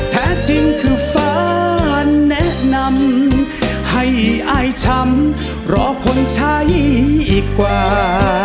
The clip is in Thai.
แท้จริงคือฟ้าแนะนำให้อายช้ำรอคนใช้อีกกว่า